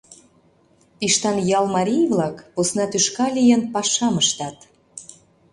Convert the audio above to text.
Пиштан ял марий-влак, посна тӱшка лийын, пашам ыштат.